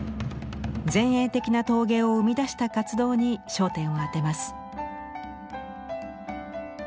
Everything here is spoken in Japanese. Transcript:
前衛的な陶芸を生み出した活動に焦点を当てます。